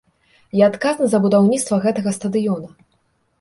Я адказны за будаўніцтва гэтага стадыёна.